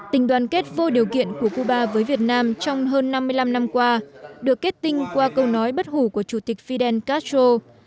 tình đoàn kết vô điều kiện của cuba với việt nam trong hơn năm mươi năm năm qua được kết tinh qua câu nói bất hủ của chủ tịch fidel castro